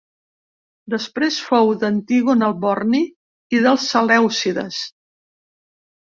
Després, fou d'Antígon el Borni i dels selèucides.